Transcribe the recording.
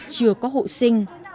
chưa có hộ sinh